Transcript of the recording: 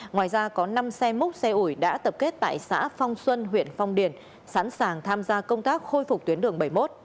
ngoài ra có năm xe múc xe ủi đã tập kết tại xã phong xuân huyện phong điền sẵn sàng tham gia công tác khôi phục tuyến đường bảy mươi một